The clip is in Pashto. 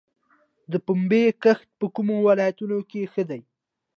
د پنبې کښت په کومو ولایتونو کې ښه دی؟